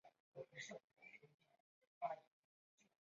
根据研究中心的调研